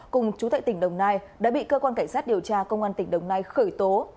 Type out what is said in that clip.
cùng chú tại tỉnh đồng nai đã bị cơ quan cảnh sát điều tra công an tỉnh đồng nai khởi tố